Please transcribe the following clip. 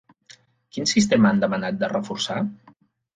Quin sistema han demanat de reforçar?